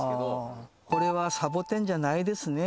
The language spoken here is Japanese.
これはサボテンじゃないですね。